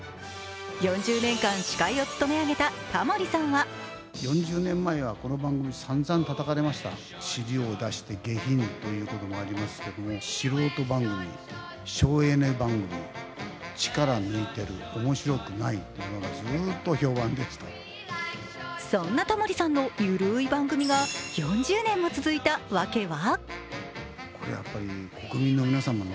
４０年間、司会をつとめあげたタモリさんはそんなタモリさんの緩い番組が４０年も続いたわけは？